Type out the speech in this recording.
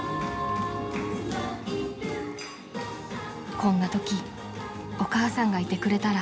［こんなときお母さんがいてくれたら］